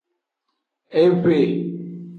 Ewe.